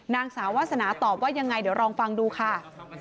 นางสาววาสนาตอบว่ายังไงเดี๋ยวลองฟังดูค่ะ